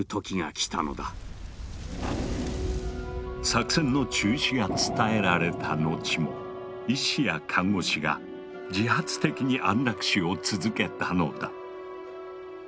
作戦の中止が伝えられた後も医師や看護師が自発的に安楽死を続けたのだ。